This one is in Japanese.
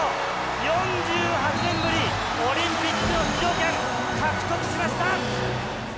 ４８年ぶり、オリンピックの出場権獲得しました！